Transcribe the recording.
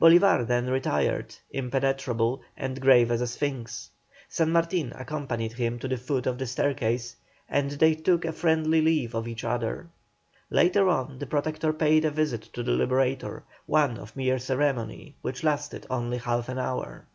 Bolívar then retired, impenetrable, and grave as a sphinx. San Martin accompanied him to the foot of the staircase, and they took a friendly leave of each other. Later on the Protector paid a visit to the Liberator, one of mere ceremony, which lasted only half an hour.